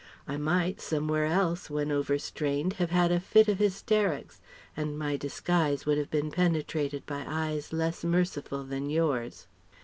I might, somewhere else, when over strained have had a fit of hysterics; and my disguise would have been penetrated by eyes less merciful than yours.